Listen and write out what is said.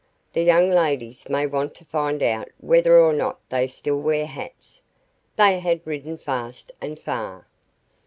The young ladies may want to find out whether or not they still wear hats." They had ridden fast and far.